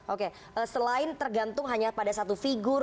oke selain tergantung hanya pada satu figur